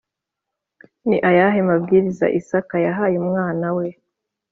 Ni ayahe mabwiriza isaka yahaye umwana we